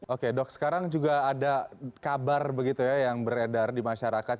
oke dok sekarang juga ada kabar begitu ya yang beredar di masyarakat